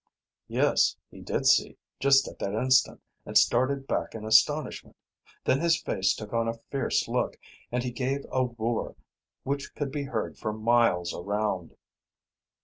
Yes, he did see, just at that instant, and started back in astonishment. Then his face took on a fierce look and he gave a roar which could be heard for miles around.